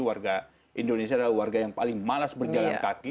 warga indonesia adalah warga yang paling malas berjalan kaki